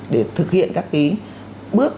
để thực hiện các cái bước